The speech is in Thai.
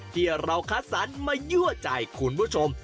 ที่เราคัดสรรมายั่วใจคุณผู้ชม